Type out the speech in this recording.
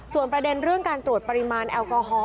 ส่วนประเด็นเรื่องการตรวจปริมาณแอลกอฮอล